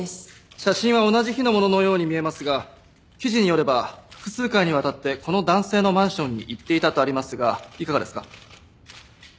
写真は同じ日の物のように見えますが記事によれば複数回にわたってこの男性のマンションに行っていたとありますがいかがですか？